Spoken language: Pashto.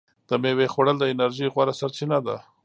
د میوې خوړل د انرژۍ غوره سرچینه ده.